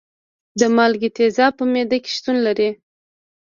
د مالګې تیزاب په معده کې شتون لري.